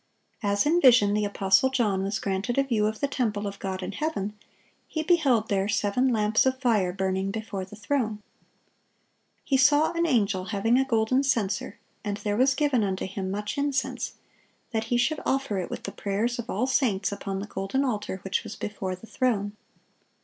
As in vision the apostle John was granted a view of the temple of God in heaven, he beheld there "seven lamps of fire burning before the throne."(674) He saw an angel "having a golden censer; and there was given unto him much incense, that he should offer it with the prayers of all saints upon the golden altar which was before the throne."